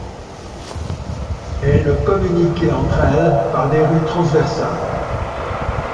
Elles communiquaient entre elles par des rues transversales.